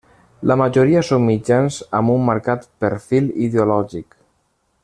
La majoria són mitjans amb un marcat perfil ideològic.